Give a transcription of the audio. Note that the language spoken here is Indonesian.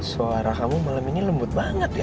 suara kamu malam ini lembut banget ya